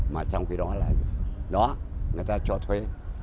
mà trong khi đó là đó người ta cho thuê